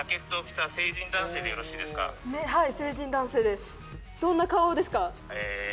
はい。